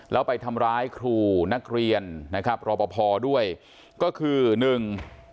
แล้วไปทำร้ายครูนักเรียนนะครับรอปภด้วยก็คือหนึ่ง